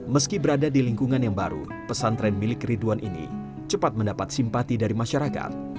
meski berada di lingkungan yang baru pesantren milik ridwan ini cepat mendapat simpati dari masyarakat